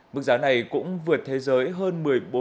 mức giá này cũng vượt thế giới hơn